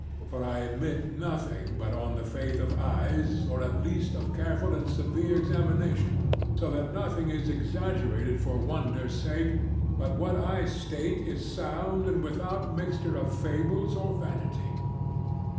For I admit nothing but on the faith of eyes, or at least of careful and severe examination; so that nothing is exaggerated for wonder's sake, but what I state is sound and without mixture of fables or vanity.